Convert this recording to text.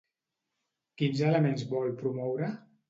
Quins elements vol promoure?